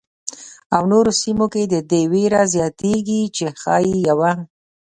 او نورو سیمو کې د دې وېره زیاتېږي چې ښايي یوه.